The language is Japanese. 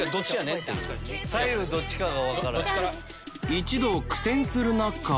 一同苦戦する中